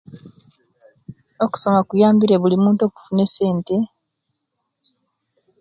Okusoma kuyambire bulinmuntu okufuna esente